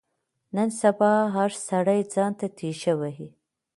نن سبا هر سړی ځان ته تېشه وهي.